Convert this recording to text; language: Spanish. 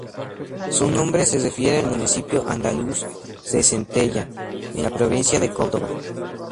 Su nombre se refiere al municipio andaluz de Santaella, en la provincia de Córdoba.